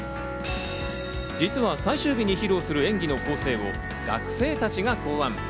実は最終日に披露する演技の構成を学生たちが考案。